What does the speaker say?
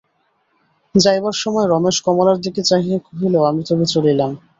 যাইবার সময় রমেশ কমলার দিকে চাহিয়া কহিল, আমি তবে চলিলাম।